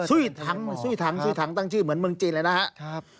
อืมซุยทังตั้งชื่อเหมือนเมืองจีนเลยนะครับ